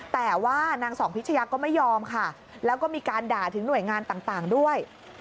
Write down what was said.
แต่ว่านางสองพิชยาก็ไม่ยอมค่ะแล้วก็มีการด่าถึงหน่วยงานต่างด้วย